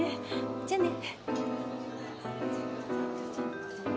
じゃあね。